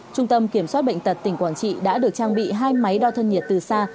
trung tâm kiểm soát bệnh tật tỉnh quảng trị đã được trang bị hai máy đo thân nhiệt từ xa